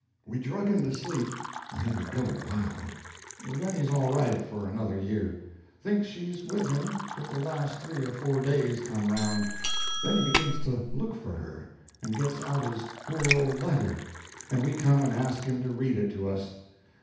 We drug him to sleep, or he would go wild; then he's all right for another year thinks she's with him till the last three or four days come round; then he begins to look for her, and gets out his poor old letter, and we come and ask him to read it to us.